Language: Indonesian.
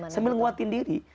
sambil menguatkan diri